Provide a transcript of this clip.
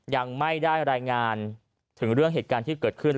ยังไม่ได้รายงานถึงเรื่องเหตุการณ์ที่เกิดขึ้น